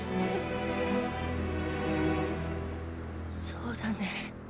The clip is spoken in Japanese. そうだね。